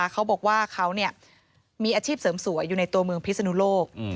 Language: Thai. เขาบอกว่าเขามีอาชีพเสริมสวยอยู่ในตัวเมืองพิศนุโลก